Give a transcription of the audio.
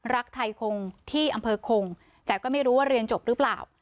รักไทยคงที่อำเภอคงแต่ก็ไม่รู้ว่าเรียนจบหรือเปล่า